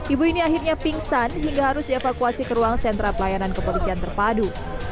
ibu ini akhirnya pingsan hingga harus dievakuasi ke ruang sentra pelayanan kepolisian terpadu